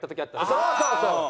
そうそうそう。